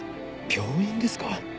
病院ですか？